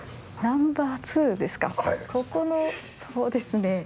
ここのそうですね。